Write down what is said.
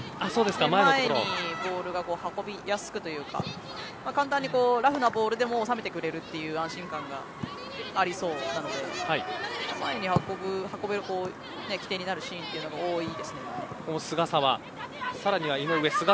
前にボールが運びやすくというか簡単にラフなボールでも収めてくれるという安心感がありそうなので前に運べる起点になるシーンというのが多いです。